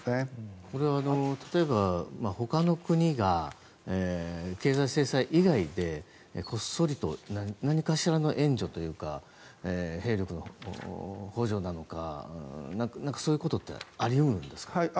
これは例えばほかの国が経済制裁以外でこっそりと何かしらの援助というか兵力の補助なのかそういうことってあり得るんですか？